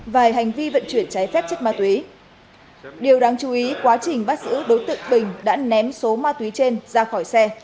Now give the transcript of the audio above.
về hành vi vận chuyển trái phép chất ma túy điều đáng chú ý quá trình bắt giữ đối tượng bình đã ném số ma túy trên ra khỏi xe